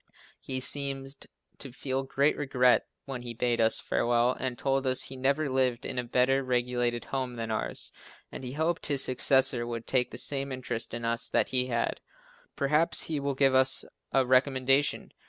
He seemed to feel great regret when he bade us farewell and told us he never lived in a better regulated home than ours and he hoped his successor would take the same interest in us that he had. Perhaps he will give us a recommendation!